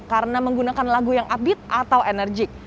karena menggunakan lagu yang upbeat atau enerjik